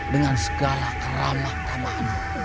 dengan segala keramah tamah